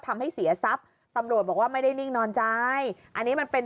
ทำให้เสียทรัพย์ตำรวจบอกว่าไม่ได้นิ่งนอนใจอันนี้มันเป็น